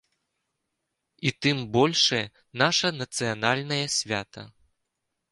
І тым большае наша нацыянальнае свята.